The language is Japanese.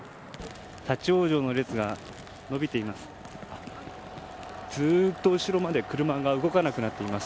立ち往生の列が伸びています。